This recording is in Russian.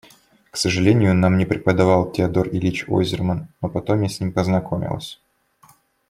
К сожалению, нам не преподавал Теодор Ильич Ойзерман, но потом я с ним познакомилась.